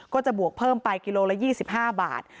ก็จะบวกเพิ่มไปกิโลละ๒๕บาท